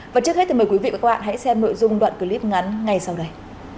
và trước hết thì mời quý vị và các bạn hãy xem nội dung đoạn clip ngắn ngay sau đây